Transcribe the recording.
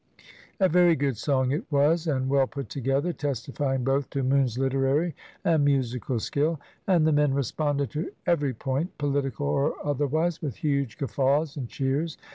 A very good song it was, and well put together, testifying both to Moon's literary and musical skill. And the men responded to every point, political or otherwise, with huge guffaws and cheers.